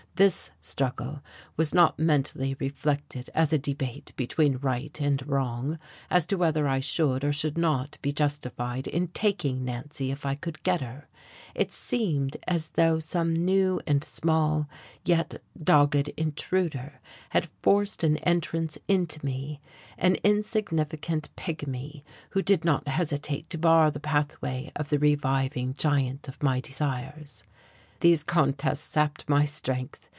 This struggle was not mentally reflected as a debate between right and wrong, as to whether I should or should not be justified in taking Nancy if I could get her: it seemed as though some new and small yet dogged intruder had forced an entrance into me, an insignificant pigmy who did not hesitate to bar the pathway of the reviving giant of my desires. These contests sapped my strength.